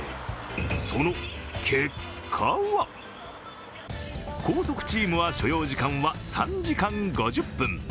その結果は、高速チームは所要時間は３時間５０分。